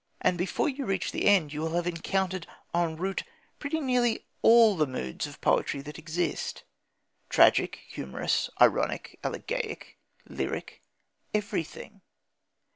And before you reach the end you will have encountered en route pretty nearly all the moods of poetry that exist: tragic, humorous, ironic, elegiac, lyric everything.